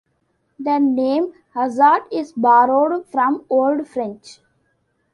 The name "hazard" is borrowed from Old French.